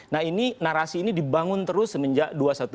nah ini narasi ini dibangun terus semenjak dua ratus dua belas